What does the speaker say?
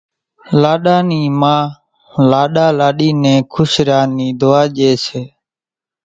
لاڏا نِي ما لاڏا لاڏِي نين خوش ريا نِي دعا ڄي سي